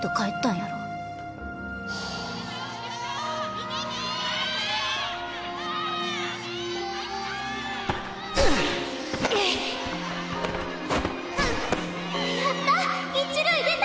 ややった！